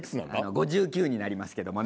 ５９になりますけどもね。